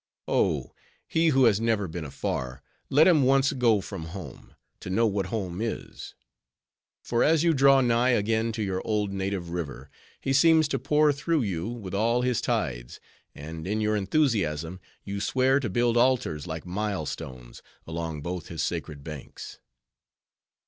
Oh! he who has never been afar, let him once go from home, to know what home is. For as you draw nigh again to your old native river, he seems to pour through you with all his tides, and in your enthusiasm, you swear to build altars like mile stones, along both his sacred banks.